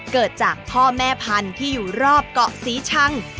เกิดจากพ่อแม่พันธุ์ที่อยู่รอบเกาะศรีชัง